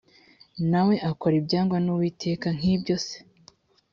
na we akora ibyangwa n uwiteka nk ibyo se